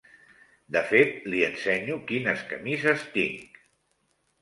De fet li ensenyo quines camises tinc.